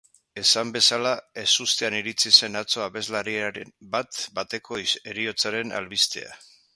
Esan bezala, ezustean iritsi zen atzo abeslariaren bat-bateko heriotzaren albistea.